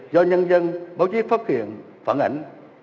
do nhân dân báo chí phát hiện phản ảnh